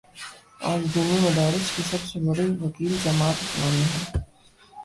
آج دینی مدارس کی سب سے بڑی وکیل جماعت اسلامی ہے۔